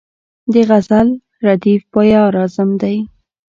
د غزل ردیف بیا راځم دی.